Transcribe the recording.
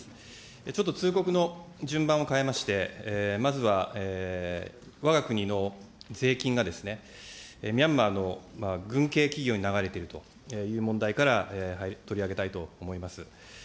ちょっと通告の順番を変えまして、まずはわが国の税金がですね、ミャンマーの軍系企業に流れているという問題から取り上げたいと思います。